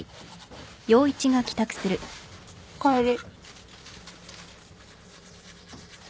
・おかえり。